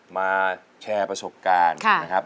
มาแชร์ประสบการณ์นะครับ